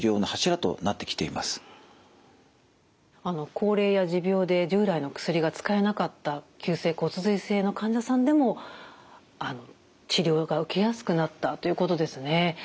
高齢や持病で従来の薬が使えなかった急性骨髄性の患者さんでも治療が受けやすくなったということですね。